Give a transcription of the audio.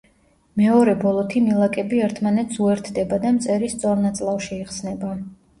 მეორე ბოლოთი მილაკები ერთმანეთს უერთდება და მწერის სწორ ნაწლავში იხსნება.